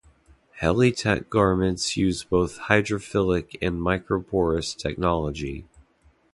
Helly Tech garments use both hydrophilic and microporous technology.